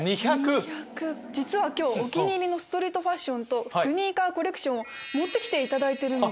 実は今日お気に入りのストリートファッションとスニーカーコレクションを持って来ていただいてるので。